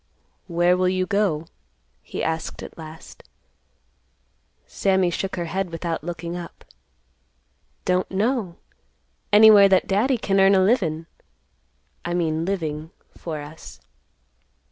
"Where will you go?" he asked at last. Sammy shook her head without looking up; "Don't know; anywhere that Daddy can earn a livin'—I mean living—for us."